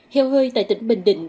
heo hơi tại tỉnh bình định